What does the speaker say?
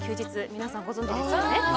皆さんご存じですよね。